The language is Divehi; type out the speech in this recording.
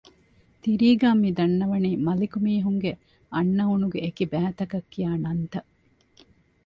ތިރީގައި މިދަންނަވަނީ މަލިކު މީހުންގެ އަންނައުނުގެ އެކި ބައިތަކަށް ކިޔާ ނަންތައް